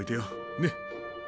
ねっ！